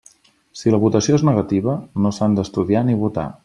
Si la votació és negativa, no s'han d'estudiar ni votar.